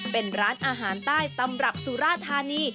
เป็นร้านอาหารใต้ตำรับสุราธานี